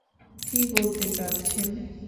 কি বলতে চাচ্ছেন?